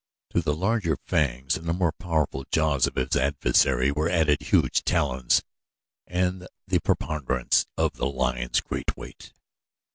To the larger fangs and the more powerful jaws of his adversary were added huge talons and the preponderance of the lion's great weight.